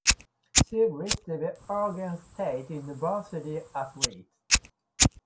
See List of Oregon State University athletes.